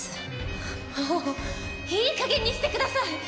もういい加減にしてください！